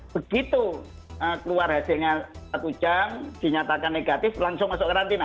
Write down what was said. begitu keluar hasilnya satu jam dinyatakan negatif langsung masuk karantina